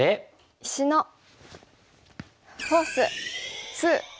「石のフォース２」。